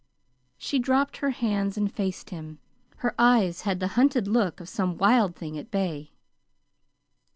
She dropped her hands and faced him. Her eyes had the hunted look of some wild thing at bay.